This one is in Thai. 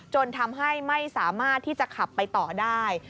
จนทำให้ไม่สามารถที่จะขับไปต่อได้